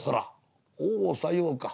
「おうさようか。